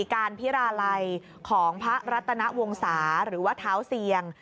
การพิราลัยของพระรัตนวงศาหรือว่าเท้าเซียง